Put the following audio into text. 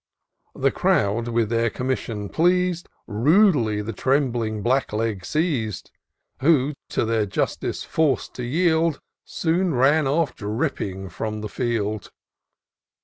The crowd, with their commission pleas'd, Rudely the trembling Black leg seiz'd. Who, to their justice forc'd to yield, Soon ran off dripping from the field.